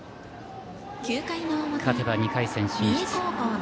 勝てば２回戦進出。